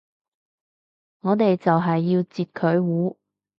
我哋就係要截佢糊